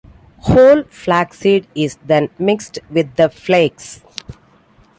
Whole flaxseed is then mixed with the flakes.